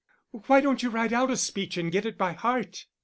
"Why don't you write out a speech and get it by heart?"